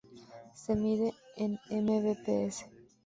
Se mide en Mbps.